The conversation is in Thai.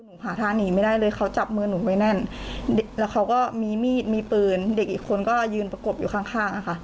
หาทางหนีไม่ได้เลยเขาจับมือหนูไว้แน่นแล้วเขาก็มีมีดมีปืนเด็กอีกคนก็ยืนประกบอยู่ข้างข้างอะค่ะ